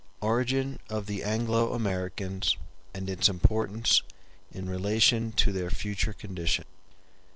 Origin Of The Anglo Americans, And Its Importance In Relation To Their Future Condition.